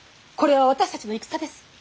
これは私たちの戦です。